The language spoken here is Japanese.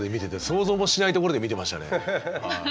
想像もしないところで見てましたね。